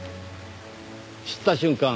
知った瞬間